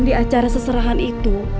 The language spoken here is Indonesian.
di acara seserahan itu